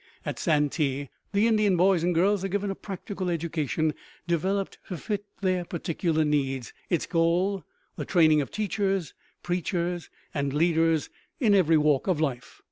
At Santee the Indian boys and girls are given a practical education developed to fit their peculiar needs its goal the training of teachers, preachers, and leaders in every walk of life.